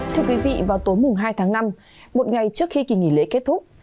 thưa quý vị vào tối hai tháng năm một ngày trước khi kỳ nghỉ lễ kết thúc